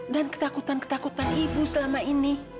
dan ketakutan ketakutan ibu selama ini